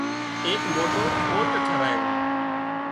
ايڪ موٽو ڪوٽ ٽاهرايو